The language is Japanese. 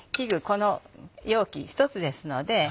この容器一つですので。